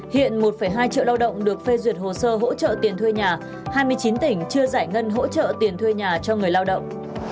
hiện một hai triệu lao động được phê duyệt hồ sơ hỗ trợ tiền thuê nhà hai mươi chín tỉnh chưa giải ngân hỗ trợ tiền thuê nhà cho người lao động